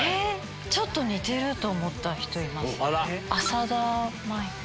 ちょっと似てると思った人います。